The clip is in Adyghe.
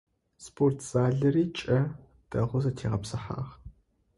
Спортзалыри кӏэ, дэгъоу зэтегъэпсыхьагъ.